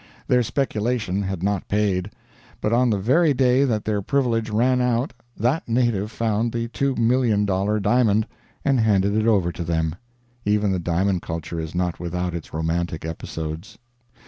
Their speculation had not paid; but on the very day that their privilege ran out that native found the $2,000,000 diamond and handed it over to them. Even the diamond culture is not without its romantic episodes.